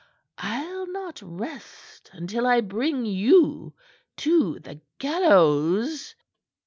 I'll not rest until I bring you to the gallows."